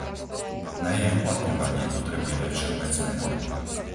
Na jej uplatňovanie potrebujeme všeobecné normy.